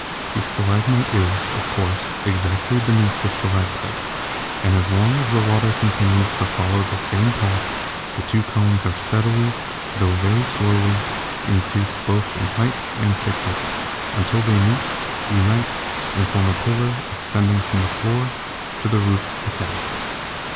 The stalagmite is, of course, exactly beneath the stalactite, and as long as the water continues to follow the same path the two cones are steadily, tho very slowly, increased both in height and thickness, until they meet, unite, and form a pillar extending from floor to roof of the cavern.